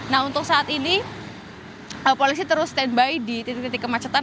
nah untuk saat ini polisi terus standby di titik titik kemacetan